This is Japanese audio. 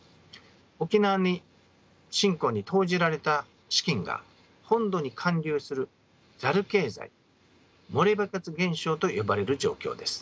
沖縄振興に投じられた資金が本土に還流するザル経済漏れバケツ現象と呼ばれる状況です。